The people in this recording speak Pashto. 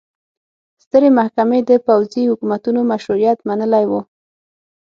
سترې محکمې د پوځي حکومتونو مشروعیت منلی و.